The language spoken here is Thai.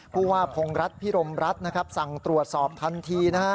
ผู้ว่าพงรัฐพิรมรัฐสั่งตรวจสอบทันที